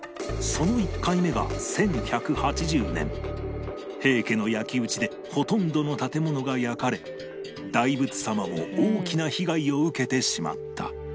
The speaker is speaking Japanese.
その１回目が１１８０年平家の焼き討ちでほとんどの建物が焼かれ大仏様も大きな被害を受けてしまった